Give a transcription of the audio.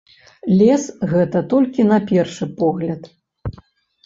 Лес гэта толькі на першы погляд.